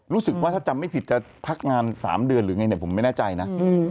รู้สึกว่าถ้าจำไม่ผิดจะพักงาน๓เดือนหรือไงเนี่ยผมไม่แน่ใจนะ